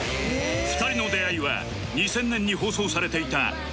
２人の出会いは２０００年に放送されていた『号外！！